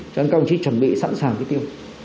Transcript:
chẳng công chỉ chuẩn bị sẵn sàng cái tiêm